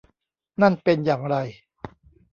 นั่นเป็นอย่างไร